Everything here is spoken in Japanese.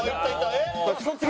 えっ？